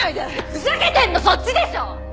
ふざけてんのそっちでしょ！